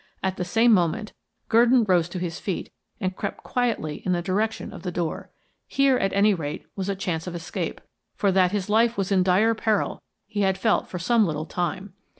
At the same moment, Gurdon rose to his feet and crept quietly in the direction of the door. Here, at any rate, was a chance of escape, for that his life was in dire peril he had felt for some little time.